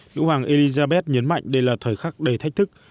nữ hoàng erizabeth nhấn mạnh đây là thời khắc đầy thách thức